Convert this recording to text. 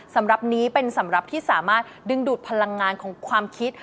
สำหรับนี้เป็นสำหรับที่สามารถดึงดูดพลังงานของความคิด